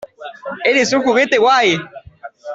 Eres un juguete guay.